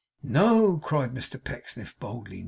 'No!' cried Mr Pecksniff, boldly.